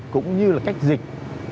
cũng như là cách dịch